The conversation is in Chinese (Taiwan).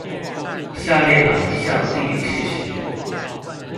下列那一項地理事實